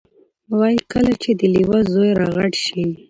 وایي کله چې د لیوه زوی را غټ شي،